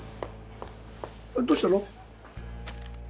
どうしたの？